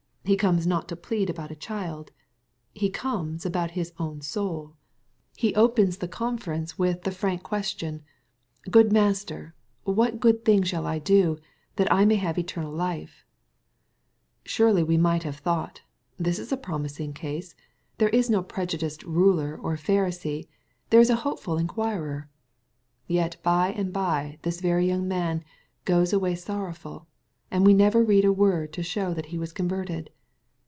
He comes not to plead about a child. He comes about his own soul. He .( 238 EXPOSITORY THOUQHTS. opens the conference with the frank question^ ^^ Good Master, what good thing shall I do, that I may have eternal life ?" Surely we might have thought, " this is a promising case : this is no prejudiced ruler or Pharisee : this is a hopeful inquirer." Yet by and bye this very young man " goes away sorrowful ;"— and we never read a word to show that he was converted